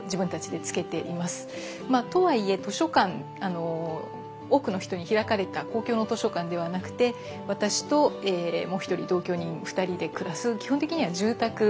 とはいえ多くの人に開かれた公共の図書館ではなくて私ともう１人同居人２人で暮らす基本的には住宅なんですけれども。